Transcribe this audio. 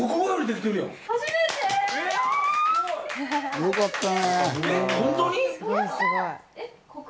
よかったね！